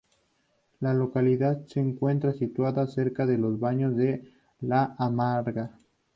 La localidad se encuentra situada cerca de los bañados de La Amarga.